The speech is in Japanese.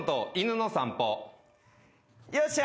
よっしゃ。